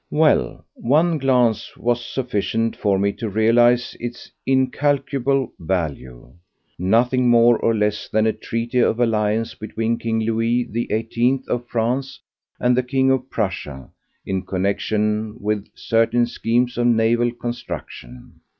Well, one glance was sufficient for me to realize its incalculable value! Nothing more or less than a Treaty of Alliance between King Louis XVIII of France and the King of Prussia in connexion with certain schemes of naval construction.